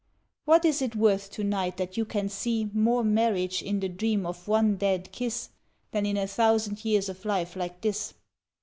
What is it worth to night that you can see More marriage in the dream of one dead kiss Than in a thousand years of life like this